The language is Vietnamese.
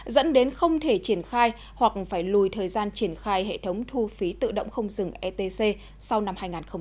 dẫn đến không thể triển khai hoặc phải lùi thời gian triển khai hệ thống thu phí tự động không dừng etc sau năm hai nghìn hai mươi